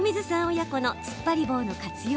親子のつっぱり棒の活用